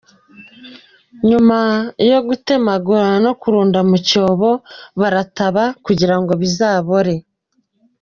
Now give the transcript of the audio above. Nyuma yo gutemagura no kurunda mu cyobo barataba kugira ngo bizabore.